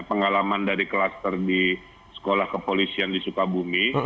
pengalaman dari kluster di sekolah kepolisian di sukabumi